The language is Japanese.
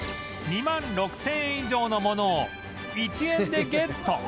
２万６０００円以上のものを１円でゲット